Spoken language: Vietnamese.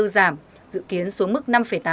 giảm dự kiến xuống mức